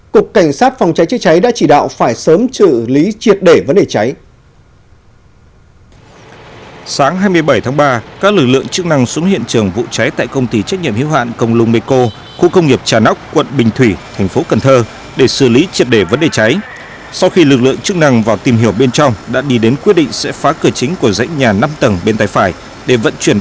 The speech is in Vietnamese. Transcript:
cục cảnh sát phòng cháy chế cháy đã chỉ đạo phải sớm trự lý triệt để vấn đề cháy